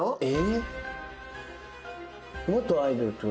えっ！